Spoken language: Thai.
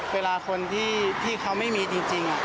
เวลาคนที่เขาไม่มีจริง